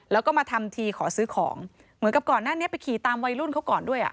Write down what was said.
แล้วก็มาทำทีขอซื้อของเหมือนกับก่อนหน้านี้ไปขี่ตามวัยรุ่นเขาก่อนด้วยอ่ะ